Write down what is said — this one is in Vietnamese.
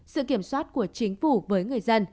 sự kiểm soát của chính phủ với người dân